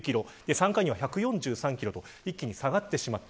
３回には１４３キロと一気に下がってしまった。